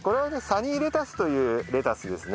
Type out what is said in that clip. サニーレタスというレタスですね。